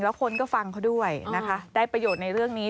แล้วคนก็ฟังเขาด้วยนะคะได้ประโยชน์ในเรื่องนี้